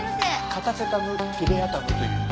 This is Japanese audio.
カタセタムピレアタムという。